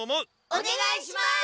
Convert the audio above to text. おねがいします！